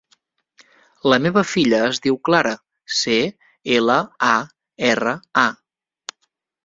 La meva filla es diu Clara: ce, ela, a, erra, a.